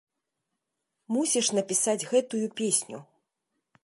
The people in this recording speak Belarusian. Мусіш напісаць гэтую песню!